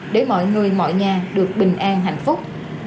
để mọi người mọi nhà được bình an hạnh phúc